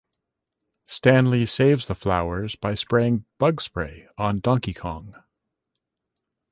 Stanley saves the flowers by spraying bug spray on Donkey Kong.